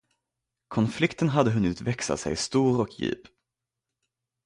Konflikten hade hunnit växa sig stor och djup.